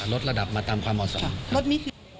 ลดระดับมาตามความเหมาะสม